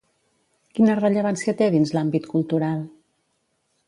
Quina rellevància té dins l'àmbit cultural?